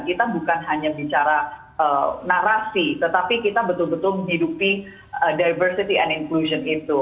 kita bukan hanya bicara narasi tetapi kita betul betul menghidupi diversity and inclusion itu